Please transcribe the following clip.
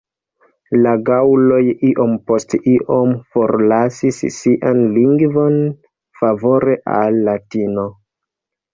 La gaŭloj iom post iom forlasis sian lingvon favore al Latino.